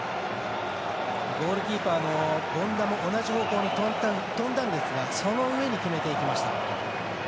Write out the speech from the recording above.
ゴールキーパーの権田も同じ方向に跳んだんですがその上に決めていきました。